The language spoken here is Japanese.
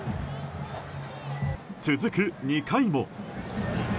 続く２回も。